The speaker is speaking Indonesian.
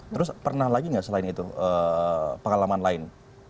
terus pernah lagi nggak selain itu pengalaman lain